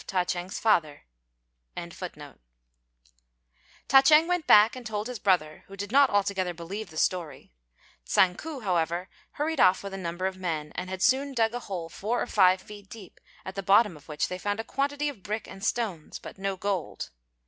Ta ch'êng went back and told his brother, who did not altogether believe the story; Tsang ku, however, hurried off with a number of men, and had soon dug a hole four or five feet deep, at the bottom of which they found a quantity of bricks and stones, but no gold.